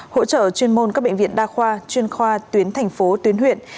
hỗ trợ chuyên môn các bệnh viện đa khoa chuyên khoa tuyến thành phố tuyến huyện